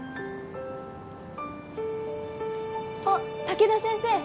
あっ武田先生！